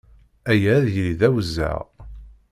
Aya ad yili d awezzeɛ.